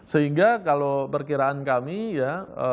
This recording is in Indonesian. sehingga kalau perkiraan kami ya